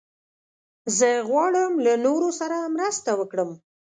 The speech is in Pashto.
زه غواړم له نورو سره مرسته وکړم.